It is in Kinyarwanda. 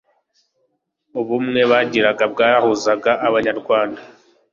ubumwe bagiraga bwahuzaga abanyarwanda